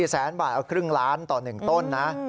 ๑๔แสนบาทเอาครึ่งล้านต่อหนึ่งต้นนะ